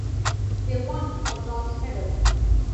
They won a bronze medal.